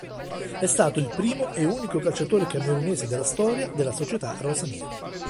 È stato il primo e unico calciatore camerunese della storia della società rosanero.